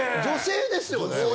女性ですよね？